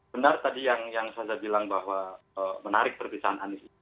benar tadi yang saja bilang bahwa menarik perpisahan anies